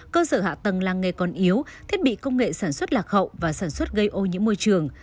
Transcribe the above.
cơ sở hạ tầng làng nghề còn yếu thiết bị công nghệ sản xuất lạc hậu và sản xuất gây ô nhiễm môi trường